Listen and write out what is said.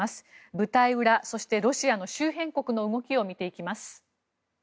舞台裏そしてロシアの周辺国の動きを見ていきます。